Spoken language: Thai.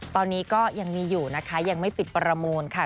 ตอนนี้ก็ยังมีอยู่นะคะยังไม่ปิดประมูลค่ะ